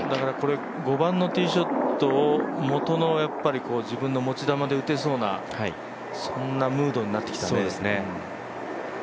５番のティーショットを元の自分の持ち球で打てそうなそんなムードになってきたね。